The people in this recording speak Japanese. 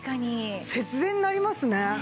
節電になりますね。